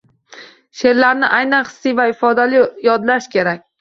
Sheʼrlarni aynan hissiy va ifodali yodlash kerak